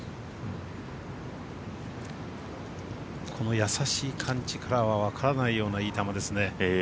この優しい感じからはわからないようないい球ですね。